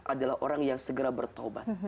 adalah orang yang segera bertobat